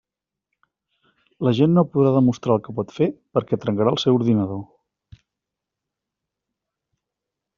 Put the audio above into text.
La gent no podrà demostrar el que pot fer, perquè trencarà el seu ordinador.